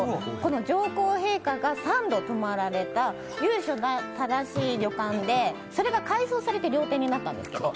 上皇陛下が３度泊まられた由緒正しい旅館で、それが改装されて料亭になったんですけど